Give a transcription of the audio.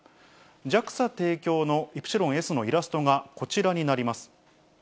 ＪＡＸＡ提供のイプシロンＳのイラストがこちらになります。